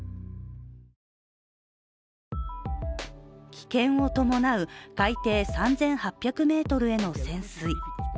危険を伴う海底３８００ｍへの潜水。